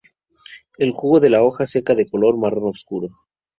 El jugo de la hoja seca de color marrón oscuro.